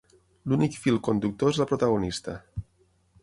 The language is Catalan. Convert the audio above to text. L'únic fil conductor és la protagonista.